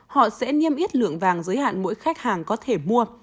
họ sẽ niêm yết lượng vàng giới hạn mỗi khách hàng có thể mua